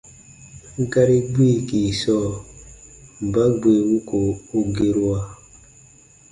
Gari gbiiki sɔɔ: mba gbee wuko u gerua?